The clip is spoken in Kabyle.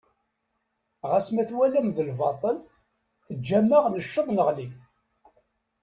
Ɣas ma twalam d lbaṭel, teǧǧam-aɣ, necceḍ neɣli.